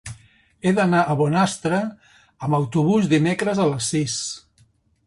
He d'anar a Bonastre amb autobús dimecres a les sis.